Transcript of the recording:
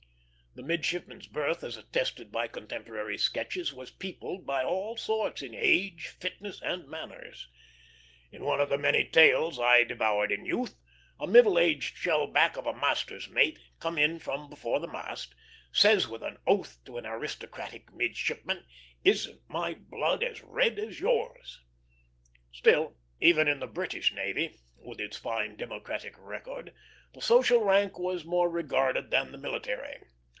The midshipman's berth, as attested by contemporary sketches, was peopled by all sorts in age, fitness, and manners. In one of the many tales I devoured in youth, a middle aged shellback of a master's mate, come in from before the mast, says with an oath to an aristocratic midshipman: "Isn't my blood as red as yours?" Still, even in the British navy, with its fine democratic record, the social rank was more regarded than the military.